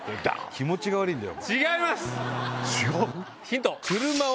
気持ちが悪いんだよ！